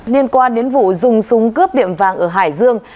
liên quan đến vụ dùng súng cướp tiệm vàng ở hải dương